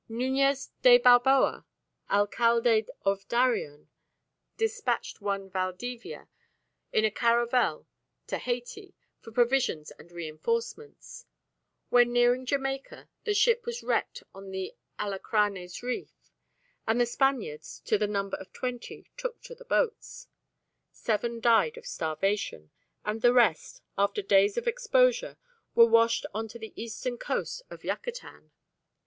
Nuñez de Balboa, Alcalde of Darien, dispatched one Valdivia in a caravel to Hayti for provisions and reinforcements. When nearing Jamaica the ship was wrecked on the Alacranes Reefs, and the Spaniards, to the number of twenty, took to the boats. Seven died of starvation, and the rest, after days of exposure, were washed on to the eastern coast of Yucatan.